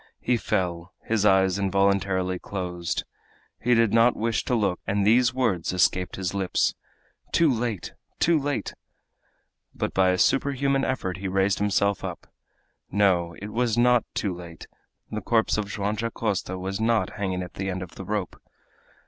He fell; his eyes involuntarily closed. He did not wish to look, and these words escaped his lips: "Too late! too late!" But by a superhuman effort he raised himself up. No; it was not too late, the corpse of Joam Dacosta was not hanging at the end of the rope!